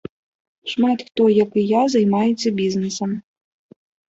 Шмат хто, як і я, займаецца бізнэсам.